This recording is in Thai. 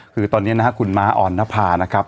คือตอนนี้นะครับคุณม้าอ่อนนภานะครับ